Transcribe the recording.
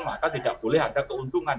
maka tidak boleh ada keuntungan